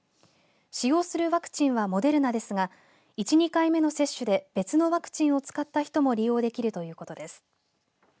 使用するワクチンはモデルナですが１、２回目の接種で別のワクチンを使った人も利用できるということです。